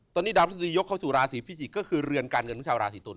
ตอนนี้ดาวพฤษฎียกเข้าสู่ราศีพิจิกษ์ก็คือเรือนการเงินของชาวราศีตุล